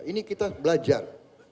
ini kita belajar